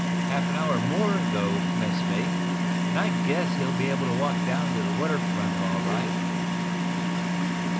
Half an hour more, though, messmate, and I guess he'll be able to walk down to the water front all right."